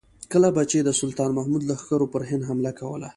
کله به چې د سلطان محمود لښکرو پر هند حمله کوله.